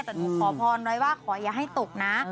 แต่หนูขอพรไว้ว่าขออย่าให้ตกนะ